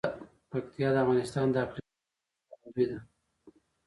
پکتیا د افغانستان د اقلیمي نظام ښکارندوی ده.